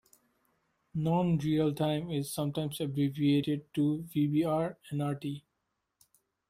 Non-real-time is sometimes abbreviated to vbr-nrt.